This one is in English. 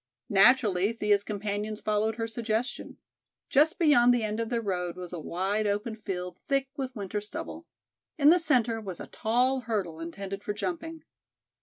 Naturally Thea's companions followed her suggestion. Just beyond the end of their road was a wide open field thick with winter stubble. In the centre was a tall hurdle intended for jumping.